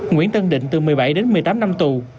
nguyễn tân định từ một mươi bảy đến một mươi tám năm tù